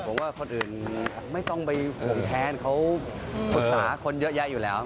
ผมว่าคนอื่นไม่ต้องไปห่วงแค้นเขาปรึกษาคนเยอะแยะอยู่แล้ว